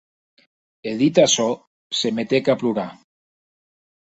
E dit açò, se metec a plorar.